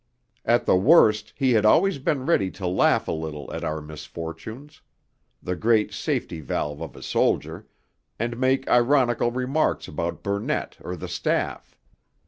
At the worst he had always been ready to laugh a little at our misfortunes, the great safety valve of a soldier, and make ironical remarks about Burnett or the Staff.